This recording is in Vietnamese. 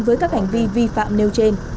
với các hành vi vi phạm nêu trên